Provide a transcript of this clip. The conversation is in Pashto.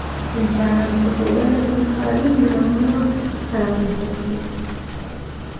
انسانانو په ټولنو کې خیالي نظمونه رامنځته کړي.